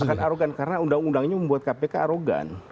akan arogan karena undang undangnya membuat kpk arogan